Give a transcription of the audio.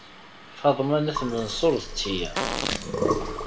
Faḍma n At Mensur d tiyaḍ.